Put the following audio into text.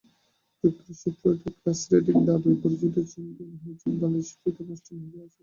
যুক্তরাষ্ট্রের ফ্লোরিডায় class rating দাবায় অপরাজিত চ্যাম্পিয়ন হয়েছেন বাংলাদেশের ফিদে মাস্টার মেহেদী হাসান।